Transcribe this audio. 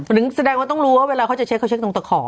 ถึงแสดงว่าต้องรู้ว่าเวลาเขาจะเช็คเขาเช็คตรงตะขอ